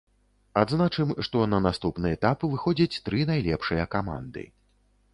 Адзначым, што на наступны этап выходзяць тры найлепшыя каманды.